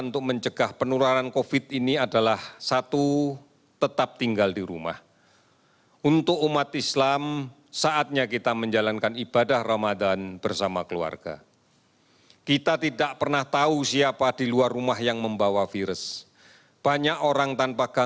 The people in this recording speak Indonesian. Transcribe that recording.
jumlah kasus yang diperiksa sebanyak empat puluh delapan enam ratus empat puluh lima